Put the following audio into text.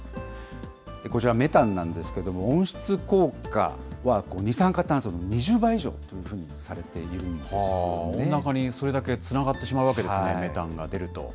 こちら、メタンなんですけれども、温室効果は二酸化炭素の２０倍以上というふうにされているんです温暖化にそれだけつながってしまうわけですね、メタンが出ると。